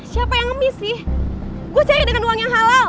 siapa yang pengemis saya mencari dengan uang yang halal